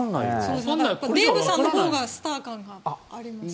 デーブさんのほうがスター感があります。